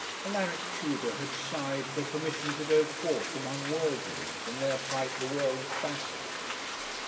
Alaric Tudor had sighed for permission to go forth among worldlings and there fight the world's battle.